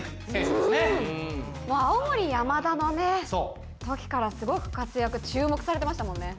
青森山田の時からすごく活躍注目されてましたもんね。